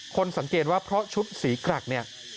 สังเกตว่าเพราะชุดสีกรักเนี่ย